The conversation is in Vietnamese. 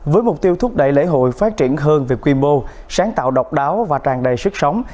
với mục tiêu thúc đẩy lễ hội phát triển hơn về quy mô sáng tạo độc đáo và tràn đầy sức sống